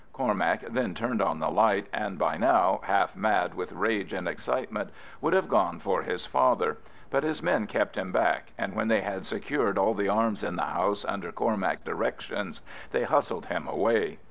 Cormac then turned on the light, and by now, half mad with rage and excitement, would have gone for his father; but his men kept him back, and when they had secured all the arms in the house under Cormac's directions, they hustled him away.